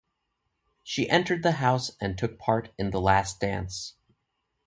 She entered the house and took part in the last dance.